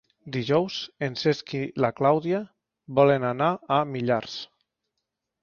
Dijous en Cesc i na Clàudia volen anar a Millars.